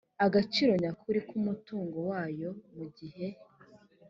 agaciro nyakuri k umutungo wayo mu gihe